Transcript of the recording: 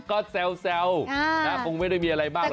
ก็แซวคงไม่ได้มีอะไรมาก